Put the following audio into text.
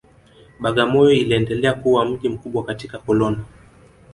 Bagamoyo iliendelea kuwa mji mkubwa katika koloni